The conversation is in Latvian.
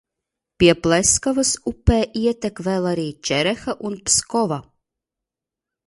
Pie Pleskavas upē ietek vēl arī Čereha un Pskova.